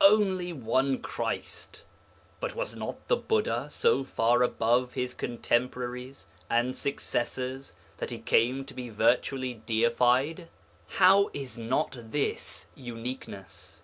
Only one Christ! But was not the Buddha so far above his contemporaries and successors that he came to be virtually deified? How is not this uniqueness?